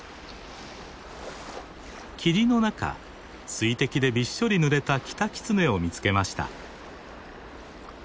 霧の中水滴でびっしょりぬれたキタキツネを見つけました。